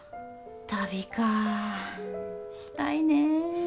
旅かしたいね。